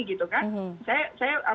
nanti ke mana lagi gitu kan